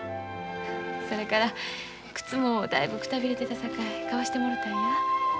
それから靴もだいぶくたびれてたさかい買わしてもろたんや。